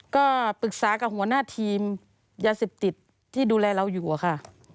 ก็ปรึกษากับหัวหน้าทีมยาเสพติดที่ดูแลเราอยู่อะค่ะ